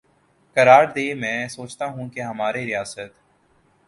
قرار دے میںسوچتاہوں کہ ہماری ریاست